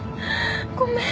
ごめん。